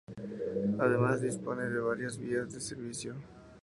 Además, dispone de varias vías de servicio.